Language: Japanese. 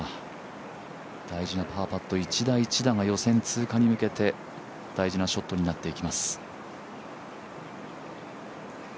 大事なパーパット、一打一打が予選通過に向けて、大事なショットになっていきます。